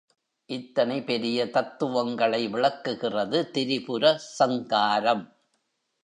இத்தனை பெரிய தத்துவங்களை விளக்குகிறது திரிபுர சங்காரம்.